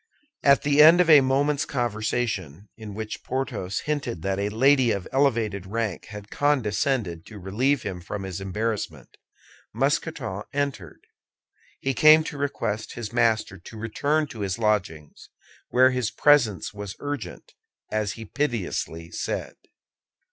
At the end of a moment's conversation, in which Porthos hinted that a lady of elevated rank had condescended to relieve him from his embarrassment, Mousqueton entered. He came to request his master to return to his lodgings, where his presence was urgent, as he piteously said.